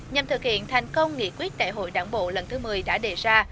nhằm thực hiện thành công nghị quyết đại hội đảng bộ lần thứ một mươi đã đề ra